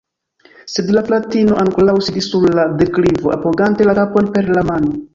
Sed la fratino ankoraŭ sidis sur la deklivo, apogante la kapon per la mano.